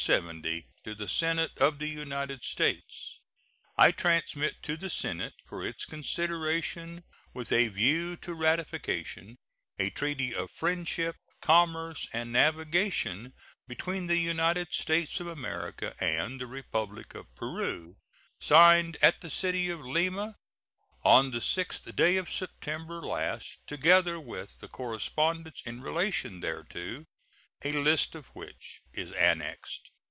To the Senate of the United States: I transmit to the Senate, for its consideration with a view to ratification, a treaty of friendship, commerce, and navigation between the United States of America and the Republic of Peru, signed at the city of Lima on the 6th day of September last, together with the correspondence in relation thereto, a list of which is annexed.